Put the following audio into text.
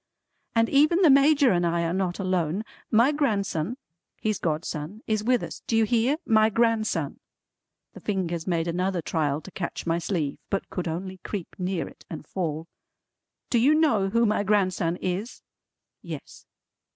"And even the Major and I are not alone. My grandson his godson is with us. Do you hear? My grandson." The fingers made another trial to catch my sleeve, but could only creep near it and fall. "Do you know who my grandson is?" Yes.